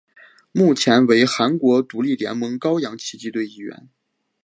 目前为韩国独立联盟高阳奇迹队一员。